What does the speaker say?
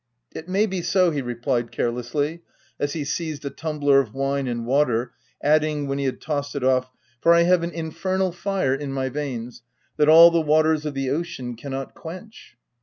u It may be so," he replied carelessly, as he seized a tumbler of wine and water, adding, when he had tossed it off —" for I have an in OF WILDFELL HALL. 181 fernal fire in my veins, that all the waters of the ocean cannot quench